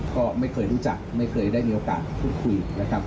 ก็ไม่เคยรู้จักไม่เคยได้มีโอกาสพูดคุยนะครับ